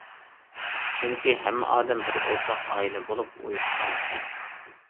چۈنكى ھەممە ئادەم بىر ئورتاق ئائىلە بولۇپ ئۇيۇشقان ئىكەن.